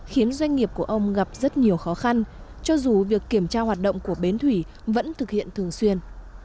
khiến doanh nghiệp của ông gặp rất nhiều khó khăn cho dù việc kiểm tra hoạt động của bến thủy vẫn thực hiện thường xuyên